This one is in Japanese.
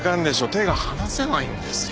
手が離せないんですよ。